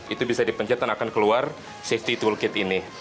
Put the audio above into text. itu bisa dipencet dan akan keluar safety toolkit ini